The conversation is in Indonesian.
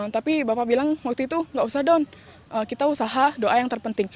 tapi bapak bilang waktu itu gak usah down kita usaha doa yang terpenting